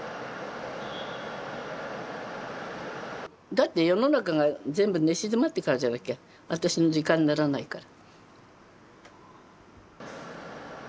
だって世の中が全部寝静まってからじゃなきゃ私の時間にならないから。